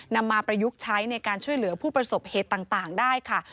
นำมาประยุกต์ใช้ในการช่วยเหลือผู้ประสบเหตุต่างได้ค่ะ